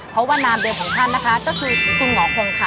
เพราะว่านามเดิมของท่านนะคะก็คือคุณหมอคงค่ะ